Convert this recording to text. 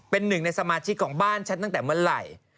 เป็นหนึ่งในสมาชิกของบ้านฉันตั้งแต่เมื่อไหร่